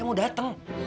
ra ini darurat ra